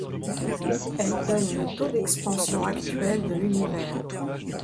Elle donne le taux d'expansion actuel de l'univers.